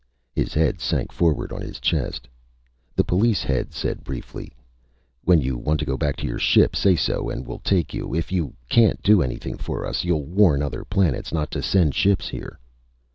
His head sank forward on his chest. The police head said briefly: "When you want to go back to your ship, say so and we'll take you. If you can't do anything for us, you'll warn other planets not to send ships here."